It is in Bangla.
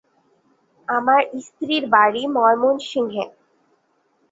আমার স্ত্রীর বাড়ি ময়মনসিংহে।